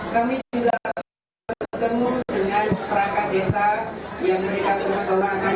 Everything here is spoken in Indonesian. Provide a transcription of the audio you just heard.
kami juga bertemu dengan perangkat desa yang berikan kepada orang orang